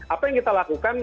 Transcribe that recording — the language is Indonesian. apa yang kita lakukan